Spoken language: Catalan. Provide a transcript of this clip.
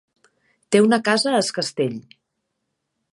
Té una casa a Es Castell.